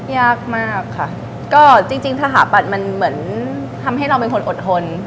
ยากมากค่ะก็จริงสถาปัตย์มันเหมือนทำให้เราเป็นคนอดทน